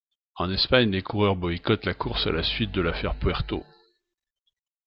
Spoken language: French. En Espagne, les coureurs boycottent la course à la suite de l'Affaire Puerto.